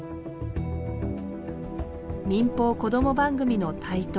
民放こども番組の台頭。